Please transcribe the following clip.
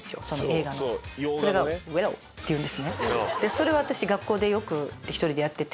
それを私学校でよく１人でやってて。